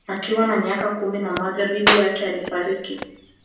Akiwa na miaka kumi na moja bibi yake alifariki